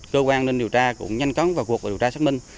cơ quan an ninh điều tra cũng nhanh cắn vào cuộc điều tra xác minh